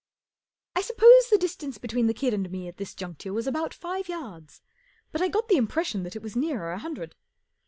I SUPPOSE the distance between the kid and me at this juncture was about five yards, but I got the impression that it was nearer a hundred.